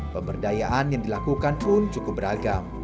pemberdayaan yang dilakukan pun cukup beragam